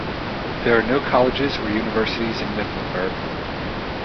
There are no colleges or universities in Mifflinburg.